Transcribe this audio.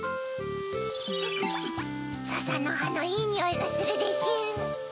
ささのはのいいにおいがするでしゅ。